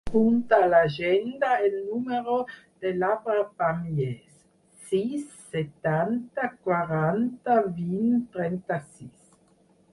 Apunta a l'agenda el número de l'Abrar Pamies: sis, setanta, quaranta, vint, trenta-sis.